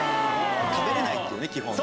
食べれないっていうね基本ね。